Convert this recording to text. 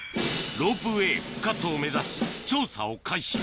ロープウエー復活を目指し調査を開始